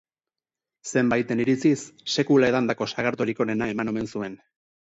Zenbaiten iritziz, sekula edandako sagardorik onena eman omen zuen.